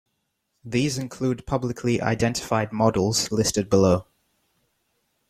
These include publicly identified models listed below.